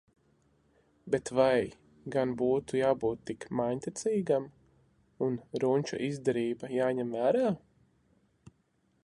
Bet vai gan būtu jābūt tik māņticīgiem, un runča izdarība jāņem vērā?